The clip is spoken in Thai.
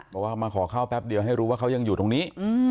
บอกว่ามาขอข้าวแป๊บเดียวให้รู้ว่าเขายังอยู่ตรงนี้